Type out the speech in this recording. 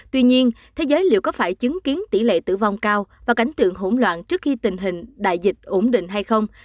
tuy nhiên thế giới liệu có phải chứng kiến tỷ lệ tử vong cao và cảnh tượng hỗn loạn trước khi tình hình đại dịch ổn định hay không